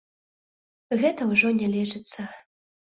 Гэта ўжо не лечыцца.